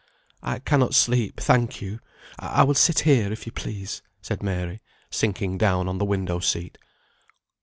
"I cannot sleep, thank you. I will sit here, if you please," said Mary, sinking down on the window seat.